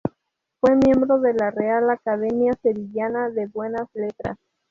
Fue miembro de la Real Academia Sevillana de Buenas Letras.